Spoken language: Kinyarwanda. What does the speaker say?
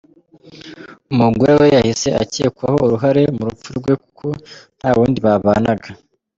Umugore we yahise akekwaho uruhare mu rupfu rwe kuko nta wundi babanaga.